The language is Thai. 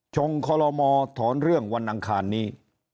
งคอลโลมอถอนเรื่องวันอังคารนี้